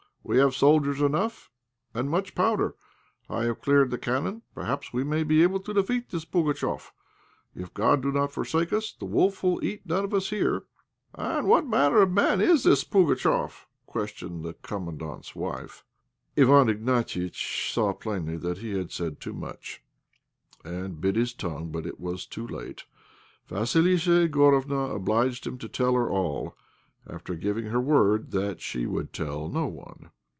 We have soldiers enough, and much, powder; I have cleared the cannon. Perhaps we may be able to defeat this Pugatchéf. If God do not forsake us, the wolf will eat none of us here." "And what manner of man is this Pugatchéf?" questioned the Commandant's wife. Iwán Ignatiitch saw plainly that he had said too much, and bit his tongue; but it was too late. Vassilissa Igorofna obliged him to tell her all, after giving her word that she would tell no one.